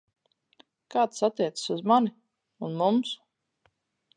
Kā tas atticas uz mani. Un mums?